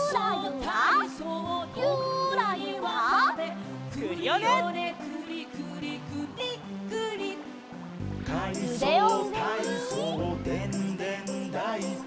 「かいそうたいそうでんでんだいこ」